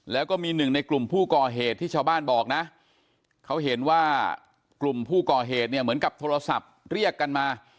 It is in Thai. แล้วก็มีหนึ่งในกลุ่มผู้ก่อเหตุที่ชาวบ้านบอกนะเขาเห็นว่ากลุ่มผู้ก่อเหตุเนี่ยเหมือนกับโทรศัพท์เรียกกันมา